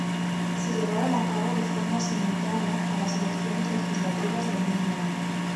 Se llevaron a cabo de forma simultánea a las elecciones legislativas del mismo año.